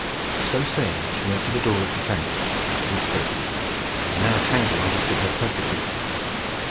So saying she went to the door of the tank, and spoke; and now Tangle understood her perfectly.